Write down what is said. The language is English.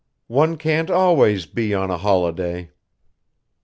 "One can't always be on a holiday."